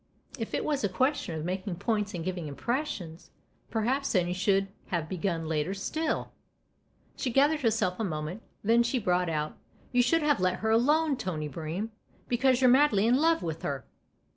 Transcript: " If it was a question of making points and giving impressions, perhaps then you should have begun later still !" She gathered herself a moment ; then she brought out :" You should have let her alone, Tony Bream, because you're madly in love with her